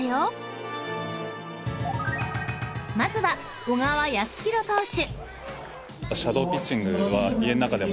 ［まずは小川泰弘投手］